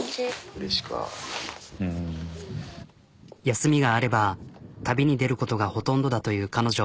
休みがあれば旅に出ることがほとんどだという彼女。